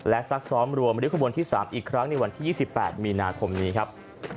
และซักซ้อมรวมริ้วขบวนที่๓อีกครั้งในวันที่๒๘มีนาคมนี้ครับ